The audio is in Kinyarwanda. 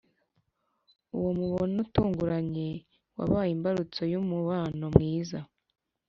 uwo mubonano utunguranye wabaye imbarutso y'umubano mwiza